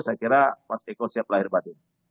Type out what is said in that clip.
saya kira mas eko siap lahir batin